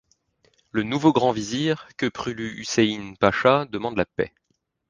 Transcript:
Le nouveau grand vizir Köprülü Hüseyin Pacha demande la paix.